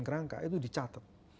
kerangka itu dicatat